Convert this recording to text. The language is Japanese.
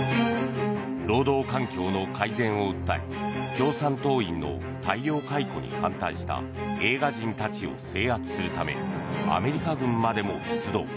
労働環境の改善を訴え共産党員の大量解雇に反対した映画人たちを制圧するためアメリカ軍までも出動。